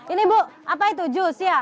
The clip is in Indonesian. ini bu apa itu jus ya